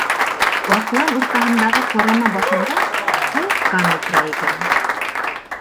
Аҡлан уртаһындағы ҡарама башында һайыҫҡан ултыра икән.